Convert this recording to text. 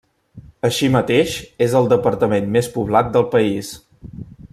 Així mateix, és el departament més poblat del país.